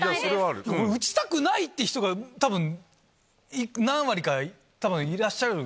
打ちたくないって人が、たぶん、何割かたぶん、いらっしゃる。